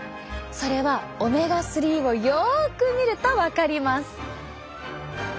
それはオメガ３をよく見ると分かります。